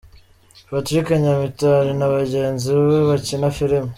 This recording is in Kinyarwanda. Patrick Nyamitali na bagenzi be bakina filme.